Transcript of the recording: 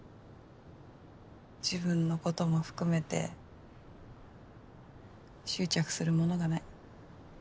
自分のことも含めて執着するものがない